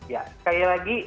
ya sekali lagi